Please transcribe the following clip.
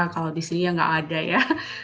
kalau di sini ya nggak ada ya